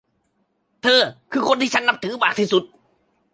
เธอคือคนที่ฉันนับถือมากที่สุด